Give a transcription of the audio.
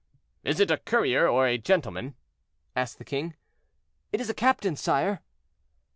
"Is it a courier or a gentleman?" asked the king. "It is a captain, sire."